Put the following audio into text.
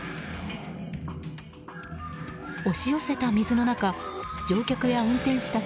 押し寄せた水の中乗客や運転手たち